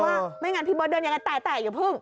เออไม่งั้นพี่เบิร์ตเดินอย่างนั้นแต่เดี๋ยวพึ่ง